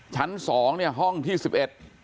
ชั้นสองเนี่ยห้องที่สิบเอ็ด